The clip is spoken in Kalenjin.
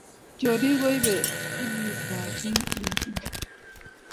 chorik koibe uguk ab bik eng nguno ko wui sabet